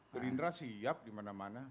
gerindra siap dimana mana